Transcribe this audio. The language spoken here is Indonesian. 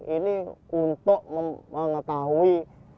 ini untuk mengetahui